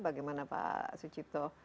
bagaimana pak sujito